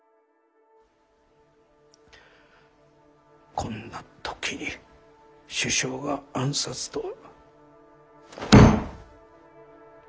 こんな時に首相が暗殺とは。